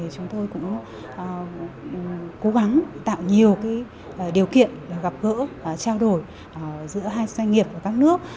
chúng tôi cũng cố gắng tạo nhiều điều kiện gặp gỡ trao đổi giữa hai doanh nghiệp và các nước